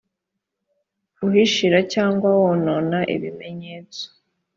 uhishira cyangwa wonona ibimenyetso